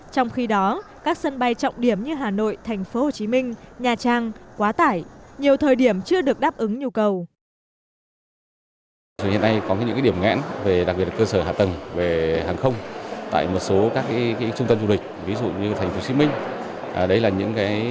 trong khi đó các sân bay trọng điểm như hà nội tp hcm nha trang quá tải nhiều thời điểm chưa được đáp ứng nhu cầu